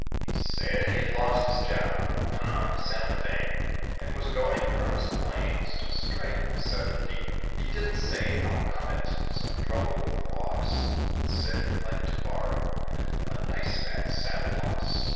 He said he had lost his job upon the Santa Fé And was going across the plains to strike the 7 D. He didn't say how come it, some trouble with the boss, But said he'd like to borrow a nice fat saddle hoss.